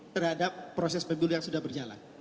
terhadap proses pemilu yang sudah berjalan